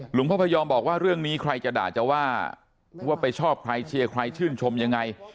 หลวงพ่อพยอมบอกว่าเรื่องนี้ใครจะด่าจะว่าว่าไปชอบใครเชียร์ใครชื่นชมยังไง